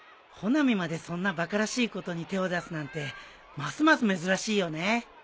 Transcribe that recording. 穂波までそんなバカらしいことに手を出すなんてますます珍しいよね。